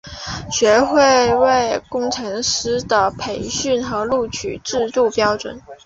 学会为工程师的培训和录取制定标准。